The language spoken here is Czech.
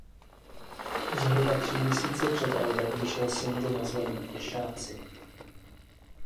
Zhruba tři měsíce před albem vyšel singl nazvaný "Pěšáci".